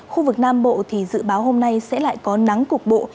khu vực nam bộ thì dự báo hôm nay sẽ lại có nắng cục bộ